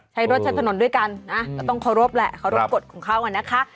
รถใช้ถนนด้วยกันนะก็ต้องเคารพแหละเคารพกฎของเขาอ่ะนะคะ